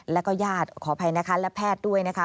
แล้วก็ญาติขออภัยนะคะและแพทย์ด้วยนะคะ